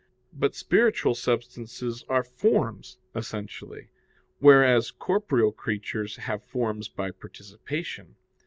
But spiritual substances are forms essentially, whereas corporeal creatures have forms by participation.